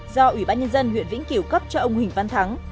do ủy ban nhân dân huyện vĩnh kiểu cấp cho ông huỳnh văn thắng